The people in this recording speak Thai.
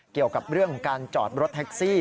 เกี่ยวกับเรื่องของการจอดรถแท็กซี่